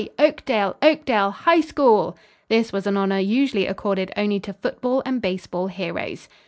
Oakdale, Oakdale, HIGH SCHOOL!" This was an honor usually accorded only to football and baseball heroes.